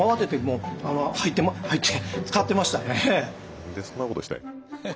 何でそんなことしたんや。